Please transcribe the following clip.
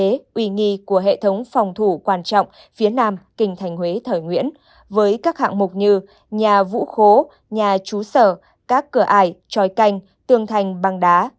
hải vân quan là một trong những hệ thống phòng thủ quan trọng phía nam kinh thành huế thời nguyễn với các hạng mục như nhà vũ khố nhà chú sở các cửa ải tròi canh tường thành băng đá